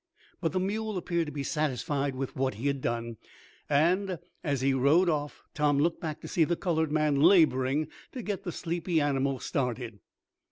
But the mule appeared to be satisfied with what he had done, and, as he rode off, Tom looked back to see the colored man laboring to get the sleepy, animal started.